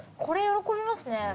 これ喜びますね。